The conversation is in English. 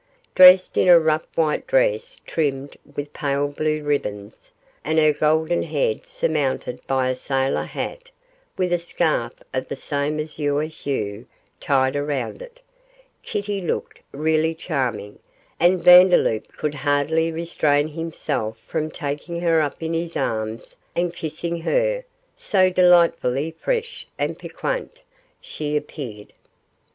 Dressed in a rough white dress trimmed with pale blue ribbons, and her golden head surmounted by a sailor hat, with a scarf of the same azure hue tied around it, Kitty looked really charming, and Vandeloup could hardly restrain himself from taking her up in his arms and kissing her, so delightfully fresh and piquant she appeared.